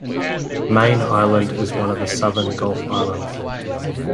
Mayne Island is one of the southern Gulf Islands.